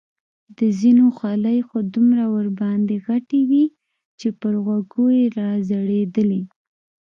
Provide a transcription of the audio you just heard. د ځینو خولۍ خو دومره ورباندې غټې وې چې پر غوږو یې را ځړېدلې.